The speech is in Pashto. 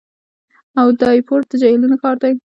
اودایپور د جهیلونو ښار دی.